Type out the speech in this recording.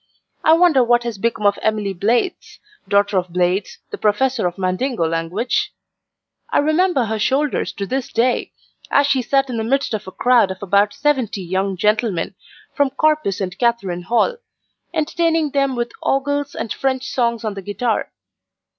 I wonder what has become of Emily Blades, daughter of Blades, the Professor of the Mandingo language? I remember her shoulders to this day, as she sat in the midst of a crowd of about seventy young gentlemen, from Corpus and Catherine Hall, entertaining them with ogles and French songs on the guitar.